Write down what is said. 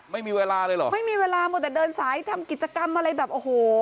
ไม่มีเวลาเลยเหรอไม่มีเวลาหมดแต่เดินสายทำกิจกรรมอะไรแบบโอ้โห